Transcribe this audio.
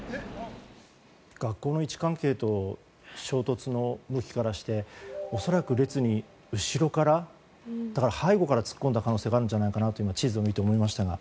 学校の位置関係と衝突の向きからして恐らく、列に後ろから背後から突っ込んだ可能性があるんじゃないかなと地図を見て思いましたが。